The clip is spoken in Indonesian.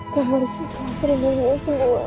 kamu harus terima semua